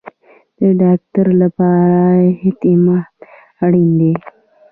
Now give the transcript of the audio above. د ډاکټر لپاره اعتماد اړین دی